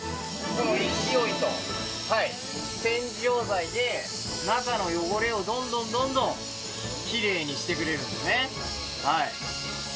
この勢いと洗浄剤で中の汚れをどんどんどんどんきれいにしてくれるんですね。